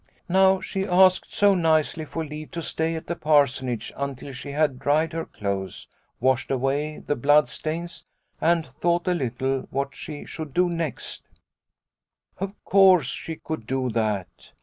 " Now she asked so nicely for leave to stay at the Parsonage until she had dried her clothes, washed away the bloodstains, and thought a little what she should do next. 46 Liliecrona's Home " Of course she could do that.